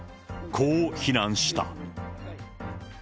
こう非難した。